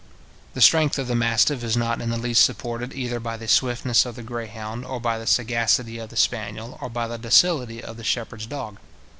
The strength of the mastiff is not in the least supported either by the swiftness of the greyhound, or by the sagacity of the spaniel, or by the docility of the shepherd's dog.